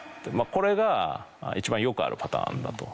これが一番よくあるパターンだと。